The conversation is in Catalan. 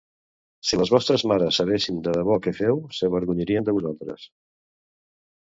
Si les vostres mares sabessin de debò què feu, s'avergonyirien de vosaltres.